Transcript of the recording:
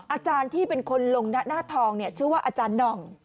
อาจารย์ที่เป็นคนลงหน้าทองชื่อว่าอาจารย์หน่อง